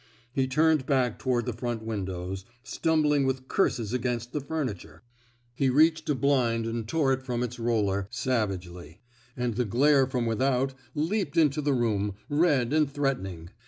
He turned back toward the front windows, stumbling with curses against the furniture. He reached a blind and tore it from its roller, savagely; and the glare from without leaped into the room, red and threatening.